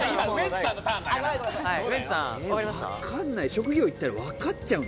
職業言ったらわかっちゃうの？